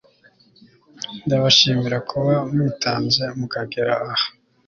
ndabashimira kuba mwitanze mukagera aha